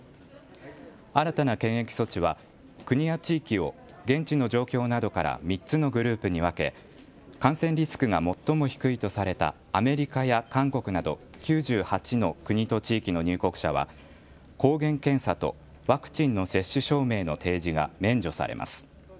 新たな検疫措置は国や地域を現地の状況などから３つのグループに分け、感染リスクが最も低いとされたアメリカや韓国など９８の国と地域の入国者は抗原検査とワクチンの接種証明の提示が免除されます。